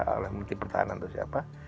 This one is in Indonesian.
oleh menteri pertahanan atau siapa